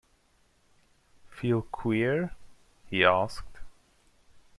“Feel queer?” he asked.